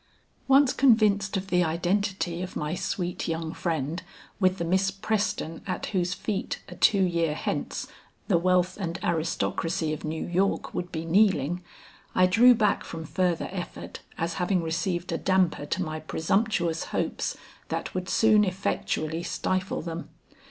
Once convinced of the identity of my sweet young friend with the Miss Preston at whose feet a two year hence, the wealth and aristocracy of New York would be kneeling, I drew back from further effort as having received a damper to my presumptuous hopes that would soon effectually stifle them.